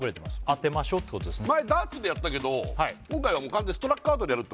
当てましょうってことですね